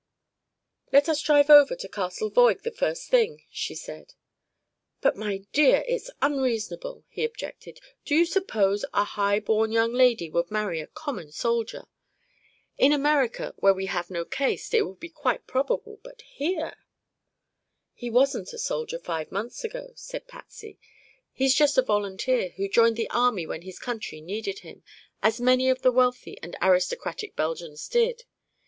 "Let us drive over to Castle Voig the first thing," she said. "But, my dear, it's unreasonable," he objected. "Do you suppose a high born young lady would marry a common soldier? In America, where we have no caste, it would be quite probable, but here " "He wasn't a soldier five months ago," said Patsy. "He's just a volunteer, who joined the army when his country needed him, as many of the wealthy and aristocratic Belgians did.